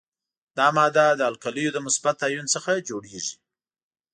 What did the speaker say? دا ماده د القلیو د مثبت آیون څخه جوړیږي.